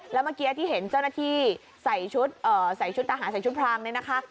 แล้วเมื่อกี้ที่เห็นเจ้าหน้าที่ใส่ชุดใส่ชุดทหารใส่ชุดพรางเนี่ยนะคะ